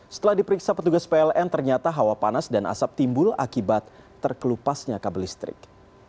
setelah diperiksa petugas pln ternyata hawa panas dan asap timbul akibat terkelupasnya kabel listrik